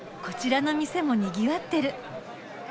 こちらの店もにぎわってる。